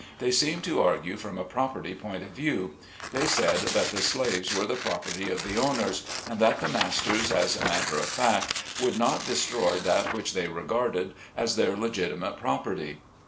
They seemed to argue from a property point of view ; they said that the slaves were the property of the owners, and that the masters as a matter of fact, would not destroy that which they regarded as their legitimate property.